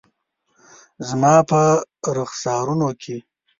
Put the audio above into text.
زما په رخسارونو کې